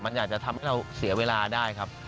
มันอยากจะทำให้เราเสียเวลาได้ครับ